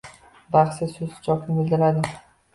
Baxya soʻzi chokni bildiradi